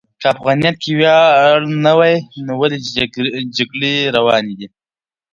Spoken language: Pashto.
که افغانیت کې ویاړ نه و، ولې جګړې روانې دي؟